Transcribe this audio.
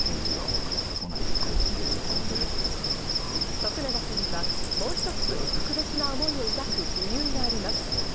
徳永さんにはもう一つ、特別な思いを抱く理由があります。